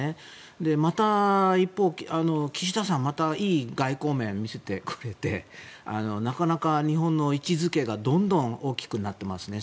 また一方、岸田さんまたいい外交面を見せてくれてなかなか日本の位置付けがどんどん大きくなっていますね。